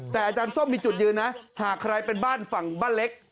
แต่อาจารย์ส้มมีจุดยืนนะหากใครเป็นบ้านฝั่งบ้านเล็ก